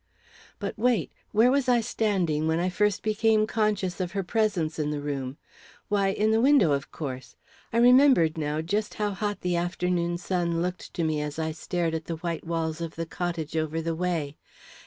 But wait! Where was I standing when I first became conscious of her presence in the room? Why, in the window, of course. I remembered now just how hot the afternoon sun looked to me as I stared at the white walls of the cottage over the way.